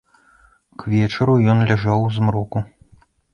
К вечару ён ляжаў у змроку.